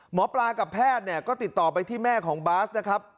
หมอปลากับแพทย์เนี่ยก็ติดต่อไปที่แม่ของบาสนะครับ